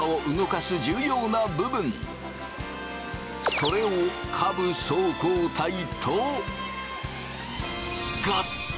それを下部走行体と。